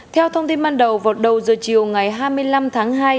theo thông tin ban đầu vào đầu giờ chiều ngày hai mươi năm tháng hai